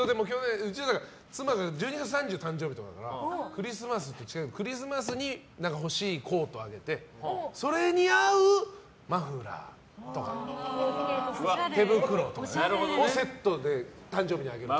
うちは妻が１２月３０日が誕生日だからクリスマスに欲しいコートをあげてそれに合うマフラー、手袋とかをセットで誕生日にあげます。